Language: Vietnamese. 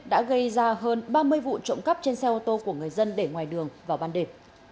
đã gây ra hơn ba mươi vụ trộm cắp trên xe ô tô của người dân để ngoài đường vào ban đề